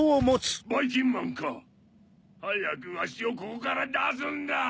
⁉ばいきんまんか⁉はやくワシをここからだすんだ！